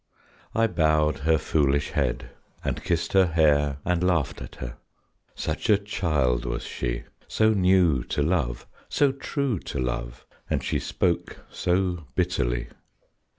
I bowed her foolish head, And kissed her hair and laughed at her. Such a child was she; So new to love, so true to love, and she spoke so bitterly.